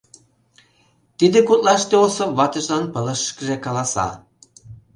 Тиде гутлаште Осып ватыжлан пылышышкыже каласа: